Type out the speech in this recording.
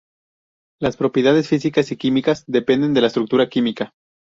Las propiedades físicas y químicas dependen de la estructura química.